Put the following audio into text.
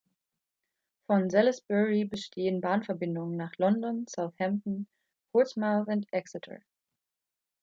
Von Salisbury bestehen Bahnverbindungen nach London, Southampton, Portsmouth und Exeter.